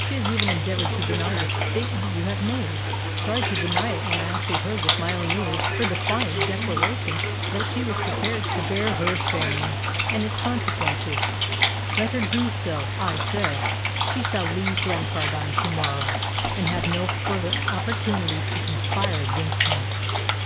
She has even endeavoured to deny the statement you have made tried to deny it when I actually heard with my own ears her defiant declaration that she was prepared to bear her shame and all its consequences! Let her do so, I say. She shall leave Glencardine to morrow, and have no further opportunity to conspire against me."